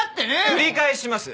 繰り返します。